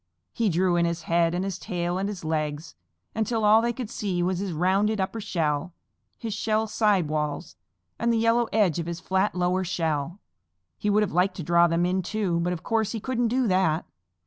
He drew in his head and his tail and his legs, until all they could see was his rounded upper shell, his shell side walls, and the yellow edge of his flat lower shell. He would have liked to draw them in too, but of course he couldn't do that.